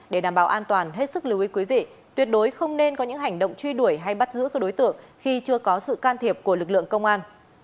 để đảm bảo an toàn hết sức lưu ý quý vị tuyệt đối không nên có những hành động truy đuổi hay bắt giữ các đối tượng khi chưa có sự can thiệp của lực lượng công an